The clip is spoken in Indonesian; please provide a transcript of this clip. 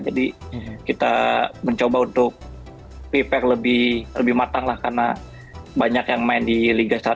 jadi kita mencoba untuk prepare lebih matang lah karena banyak yang main di liga satu